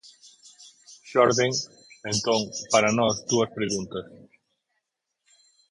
Xorden, entón, para nós dúas preguntas.